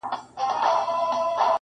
• دروازې د ښوونځیو مي تړلي -